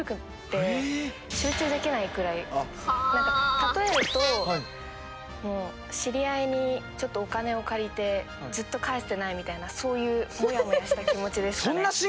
例えると知り合いにちょっとお金を借りてずっと返してないみたいなそういうモヤモヤした気持ちですかね。